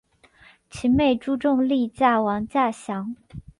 其妹朱仲丽嫁王稼祥。